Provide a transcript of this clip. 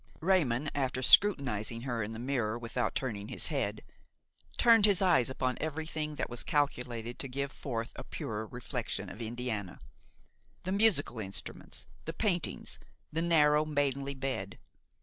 Raymon, after scrutinizing her in the mirror without turning his head, turned his eyes upon everything that was calculated to give forth a purer reflection of Indiana–the musical instruments, the paintings, the narrow, maidenly bed.